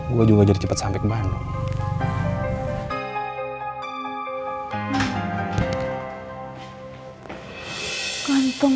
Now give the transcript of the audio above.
gue juga jadi cepet sampe kebanggaan